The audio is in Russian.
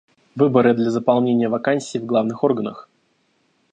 Выборы для заполнения вакансий в главных органах.